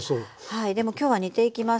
はいでも今日は煮ていきます。